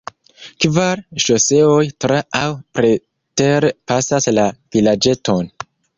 Kvar ŝoseoj tra- aŭ preter-pasas la vilaĝeton.